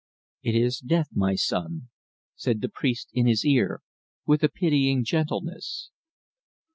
"It is Death, my son," said the priest in his ear, with a pitying gentleness.